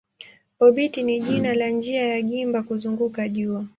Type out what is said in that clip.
Obiti ni jina la njia ya gimba kuzunguka jua.